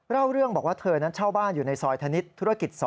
เล่าเรื่องบอกว่าเธอนั้นเช่าบ้านอยู่ในซอยธนิษฐ์ธุรกิจ๒